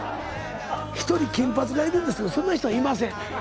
１人金髪がいるんですけどそんな人はいません。